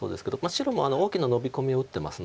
白も大きなノビコミを打ってますので。